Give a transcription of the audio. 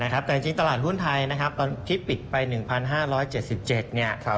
แต่จริงตลาดหุ้นไทยตอนที่ปิดไป๑๕๗๗